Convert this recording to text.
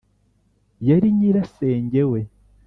Yari nyirasenge we